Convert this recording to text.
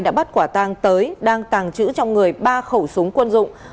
đã bắt quả tang tới đang tàng trữ trong người ba khẩu súng quân dụng